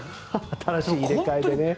新しい入れ替えでね。